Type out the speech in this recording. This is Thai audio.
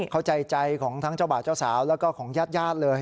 เข้าใจใจของทั้งเจ้าบ่าวเจ้าสาวแล้วก็ของญาติญาติเลย